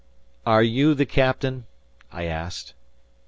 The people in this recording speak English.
"Are you the captain?" I asked.